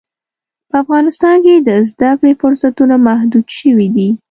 په افغانستان کې د زده کړې فرصتونه محدود شوي دي.